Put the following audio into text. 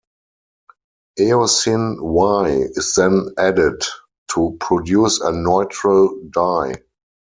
Eosin Y is then added to produce a "neutral" dye.